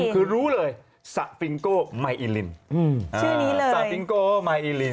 คือรู้เลยซาฟิงโกไมอีลินชื่อนี้เลย